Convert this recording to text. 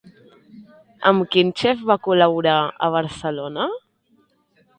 Amb quin xef va col·laborar a Barcelona?